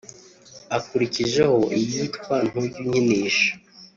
Akurikijeho iyitwa ’Ntujya unkinisha’